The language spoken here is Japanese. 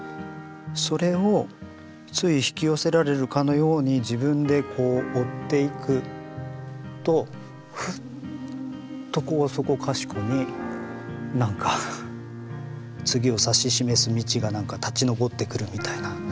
それをつい引き寄せられるかのように自分でこう追っていくとふっとこうそこかしこになんか次を指し示す道が立ち上ってくるみたいな。